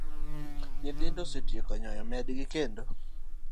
Nyithindo osetieko nyoyo medgi kendo